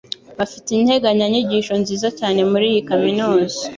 Bafite integanyanyigisho nziza cyane muri iyo kaminuza.